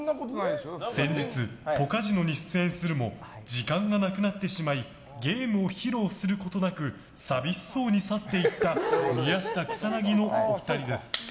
先日、ポカジノに出演するも時間がなくなってしまいゲームを披露することなく寂しそうに去っていった宮下草薙のお二人です。